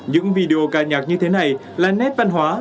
những video ca nhạc như thế này là nét văn hóa